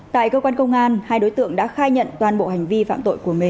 tại cơ quan công an hai đối tượng đã khai nhận toàn bộ hành vi phạm tội của mình